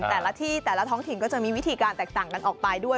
แต่ละที่แต่ละท้องถิ่นก็จะมีวิธีการแตกต่างกันออกไปด้วย